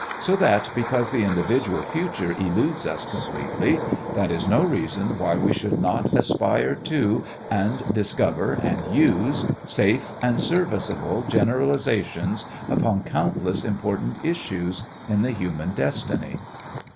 So that because the individual future eludes us completely that is no reason why we should not aspire to, and discover and use, safe and serviceable, generalizations upon countless important issues in the human destiny.